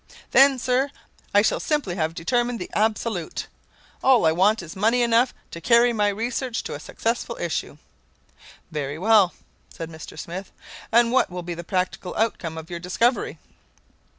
"Then, sir, I shall simply have determined the absolute. All I want is money enough to carry my research to a successful issue." "Very well," said Mr. Smith. "And what will be the practical outcome of your discovery?"